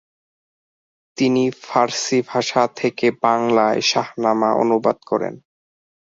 তিনি ফারসি ভাষা থেকে বাংলায় শাহনামা অনুবাদ করেন।